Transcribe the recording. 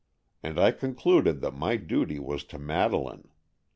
And I concluded that my duty was to Madeleine.